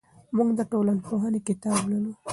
موږ د ټولنپوهنې کتاب لولو.